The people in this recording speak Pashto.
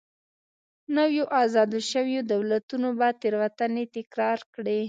نویو ازاد شویو دولتونو بیا تېروتنې تکرار کړې.